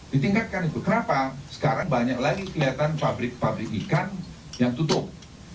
ditingkatkan itu kenapa sekarang banyak lagi kelihatan pabrik pabrik ikan yang tutup